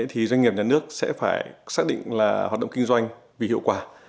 thì doanh nghiệp nhà nước sẽ phải xác định là hoạt động kinh doanh vì hiệu quả